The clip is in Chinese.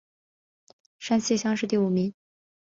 山西乡试第五名。